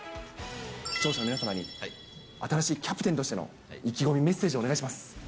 視聴者の皆様に新しいキャプテンとしての意気込み、メッセージお願いします。